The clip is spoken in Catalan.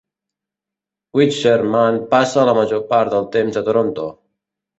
Wischermann passa la major part del temps a Toronto.